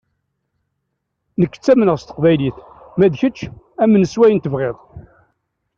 Nekk ttamneɣ s teqbaylit, ma d kečč amen s wayen i tebɣiḍ.